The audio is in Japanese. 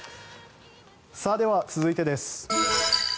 では、続いてです。